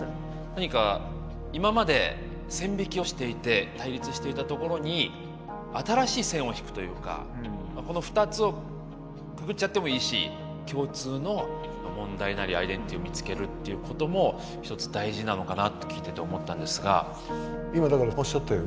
何か今まで線引きをしていて対立していたところに新しい線を引くというかこの２つをくくっちゃってもいいし共通の問題なりアイデンティティーを見つけるっていうことも一つ大事なのかなと聞いてて思ったんですが。